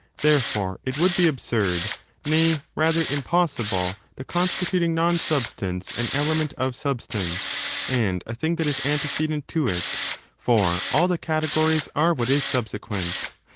Therefore, it would be absurd — nay, rather, impossible — ^the constituting non substance an element of Babstance, and a thing thkt is antecedent to it, for all the categories are what is subsequent.